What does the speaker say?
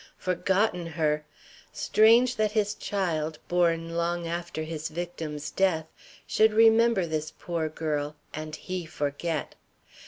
Forgotten her! Strange, that his child, born long after his victim's death, should remember this poor girl, and he forget!